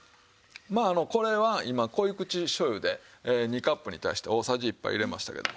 まあこれは今濃口醤油で２カップに対して大さじ１杯入れましたけども。